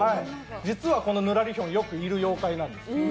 実は、このぬらりひょん、よくいる妖怪なんです。